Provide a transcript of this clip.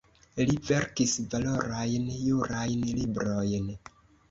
Li verkis valorajn jurajn librojn.